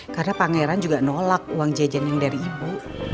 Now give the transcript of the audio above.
karena pak nyeran juga nolak uang jejeng yang dari ibu